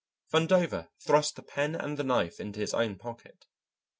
Vandover thrust the pen and the knife into his own pocket.